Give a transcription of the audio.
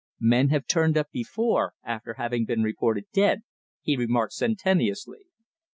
"Men have turned up before, after having been reported dead," he remarked sententiously.